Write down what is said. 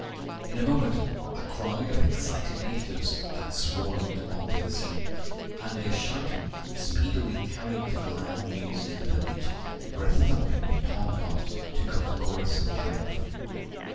In a moment a crowd of excited natives had swarmed on to the scene, and their shouting speedily carried the glad news to the village, where a thumping of tom toms took up the chorus of triumph.